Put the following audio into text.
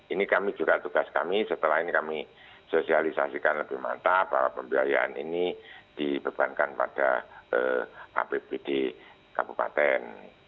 ini kami juga tugas kami setelah ini kami sosialisasikan lebih mantap bahwa pembiayaan ini dibebankan pada apbd kabupaten